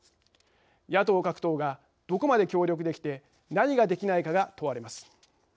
野党各党がどこまで協力できて何ができないかが問われます。